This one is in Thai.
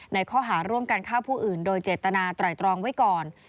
ในข้อหาร่วมกันฆ่าผู้อื่นโดยเจตนาไตรตรองไว้ก่อน